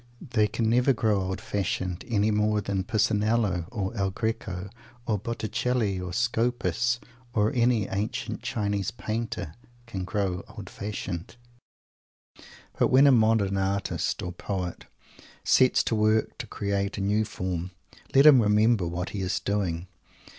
They can never grow old fashioned; any more than Pisanello, or El Greco, or Botticelli, or Scopas, or any ancient Chinese Painter, can grow old fashioned. But when a modern artist or poet sets to work to create a new form, let him remember what he is doing!